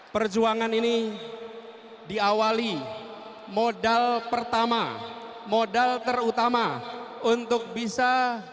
perjuangan ini diawali modal pertama modal terutama untuk bisa